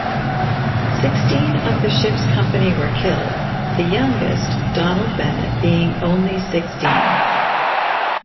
Sixteen of the ship's company were killed, the youngest, Donald Bennett, being only sixteen.